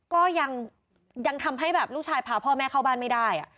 ก็ยังทำให้แบบลูกชายพาพ่อแม่เข้าบ้านไม่ได้